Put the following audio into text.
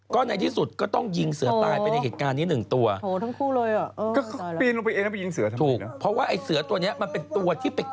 ก็ในที่สุดก็ต้องยิงเสือตายไปในเหตุการณ์นี้หนึ่งตัวนี้